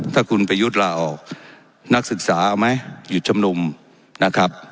ถ้าคุณประยุทธ์ลาออกนักศึกษาเอาไหมหยุดชุมนุมนะครับ